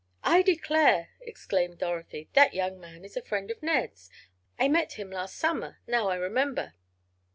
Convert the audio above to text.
"I declare!" exclaimed Dorothy, "that young man is a friend of Ned's! I met him last Summer, now I remember."